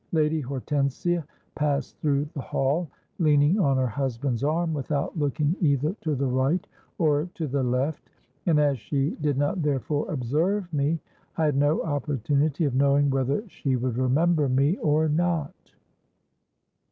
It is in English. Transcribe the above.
Lady Hortensia passed through the hall, leaning on her husband's arm, without looking either to the right or to the left;—and as she did not therefore observe me, I had no opportunity of knowing whether she would remember me or not.